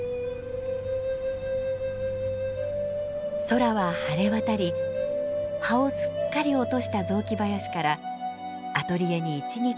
空は晴れ渡り葉をすっかり落とした雑木林からアトリエに一日中日がさし込みます。